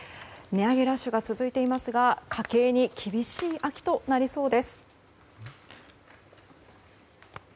値上げラッシュが続いていますが家計に厳しい秋となりそうです。